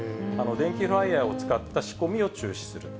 電気フライヤーを使った仕込みを中止する。